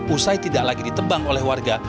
usai tidak lagi ditebang oleh warga